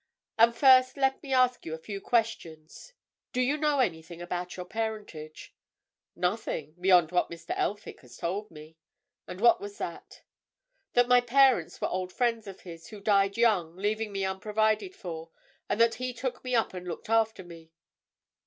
And first let me ask you a few questions. Do you know anything about your parentage?" "Nothing—beyond what Mr. Elphick has told me." "And what was that?" "That my parents were old friends of his, who died young, leaving me unprovided for, and that he took me up and looked after me."